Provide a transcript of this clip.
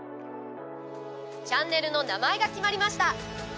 チャンネルの名前が決まりました。